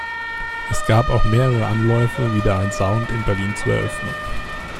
Es gab auch mehrere Anläufe, wieder ein Sound in Berlin zu eröffnen.